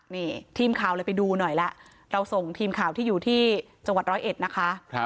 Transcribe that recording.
นี่ทีมข่าวเลยไปดูหน่อยแล้วเราส่งทีมข่าวที่อยู่ที่จังหวัดร้อยเอ็ดนะคะ